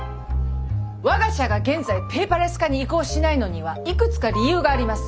我が社が現在ペーパーレス化に移行しないのにはいくつか理由があります。